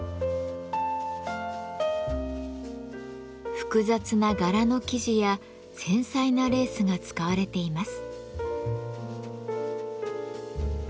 複雑な柄の生地や繊細なレースが使われています。